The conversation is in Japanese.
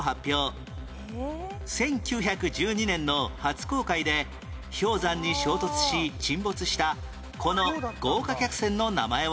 １９１２年の初航海で氷山に衝突し沈没したこの豪華客船の名前は？